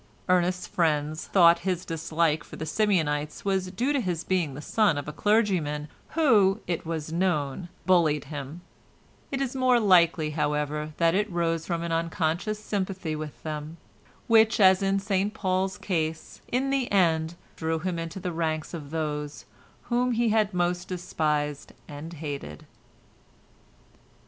Ernest's friends thought his dislike for Simeonites was due to his being the son of a clergyman who, it was known, bullied him; it is more likely, however, that it rose from an unconscious sympathy with them, which, as in St Paul's case, in the end drew him into the ranks of those whom he had most despised and hated.